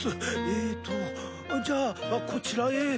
えとじゃあこちらへ。